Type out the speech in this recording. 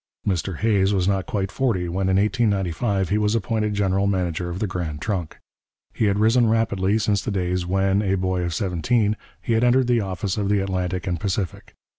Mr Hays was not quite forty when, in 1895, he was appointed general manager of the Grand Trunk. He had risen rapidly since the days when, a boy of seventeen, he had entered the office of the Atlantic and Pacific.